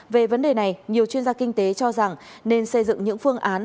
về vấn đề này nhiều chuyên gia kinh tế cho rằng nên xây dựng những phương án